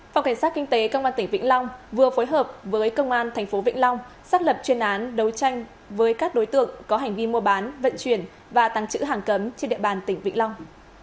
phòng cảnh sát kinh tế công an tỉnh vĩnh long vừa phối hợp với công an tp vĩnh long xác lập chuyên án đấu tranh với các đối tượng có hành vi mua bán vận chuyển và tăng chữ hàng cấm trên địa bàn tỉnh vĩnh long